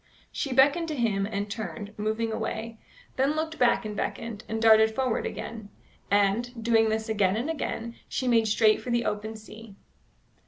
She beckoned to him and turned, moving away; then looked back and beckoned, and darted forward again; and, doing this again and again, she made straight for the open sea.